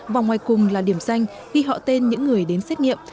vòng ngoài cùng là điểm danh khi họ tên những người đến xét nghiệm